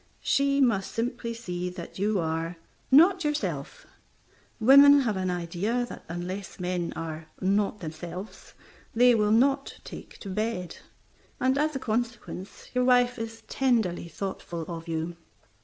She must simply see that you are "not yourself." Women have an idea that unless men are "not themselves" they will not take to bed, and as a consequence your wife is tenderly thoughtful of you.